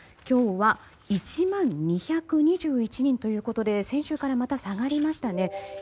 今日は１万２２１人ということで先週からまた下がりましたね。